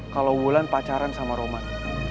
kalau wulan pacaran sama roman